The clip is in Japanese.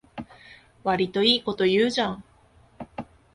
わりといいこと言うじゃん